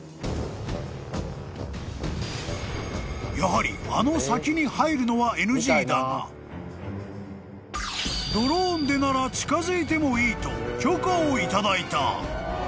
［やはりあの先に入るのはＮＧだがドローンでなら近づいてもいいと許可を頂いた］